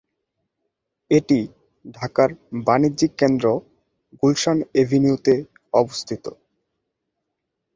এটি ঢাকার বাণিজ্যিক কেন্দ্র গুলশান এভিনিউতে অবস্থিত।